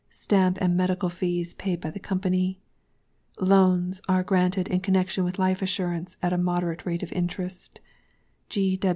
Stamp and Medical Fees paid by the Company. LOANS Are granted in connexion with Life Assurance, at a moderate rate of interest.